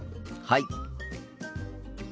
はい。